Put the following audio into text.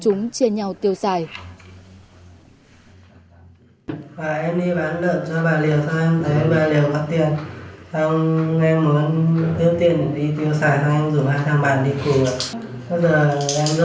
chúng em muốn tiêu tiền đi tiêu giải xong em rủ hai tháng bàn đi cùi